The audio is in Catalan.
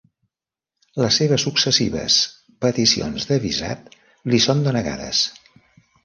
Les seves successives peticions de visat li són denegades.